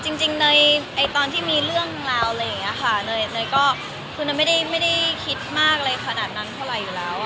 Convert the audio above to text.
คือจริงในตอนที่มีเรื่องราวไม่ได้คิดมากเลยขนาดนั้นเท่าไหร่อยู่แล้ว